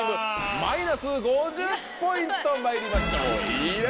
マイナス５０ポイントまいりましょう。